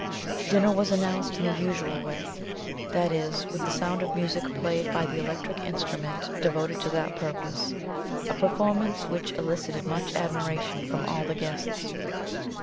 Dinner was announced in the usual way that is, with the sound of music played by the electric instrument devoted to that purpose, a performance which elicited much admiration from all the guests.